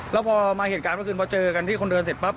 แล้วพอมาเหตุการณ์เมื่อคืนพอเจอกันที่คนเดินเสร็จปั๊